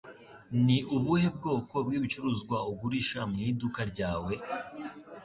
Ni ubuhe bwoko bw'ibicuruzwa ugurisha mu iduka ryawe?